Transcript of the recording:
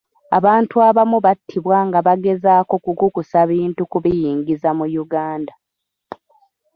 Abantu abamu battibwa nga bagezaako kukukusa bintu kubiyingiza mu Uganda.